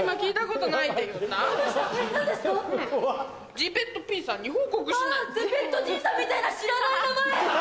ゼペットじいさんみたいな知らない名前！